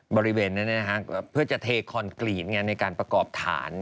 บริเวณนั้นเพื่อจะเทคอนกรีตในการประกอบฐาน